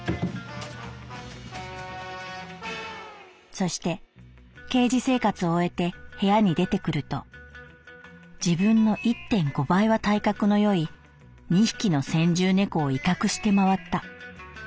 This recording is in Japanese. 「そしてケージ生活を終えて部屋に出てくると自分の１．５倍は体格の良い２匹の先住猫を威嚇して回った」。